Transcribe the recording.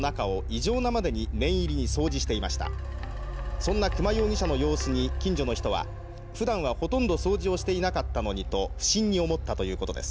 そんな久間容疑者の様子に近所の人は「ふだんはほとんど掃除をしていなかったのに」と不審に思ったということです。